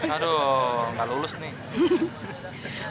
aduh gak lulus nih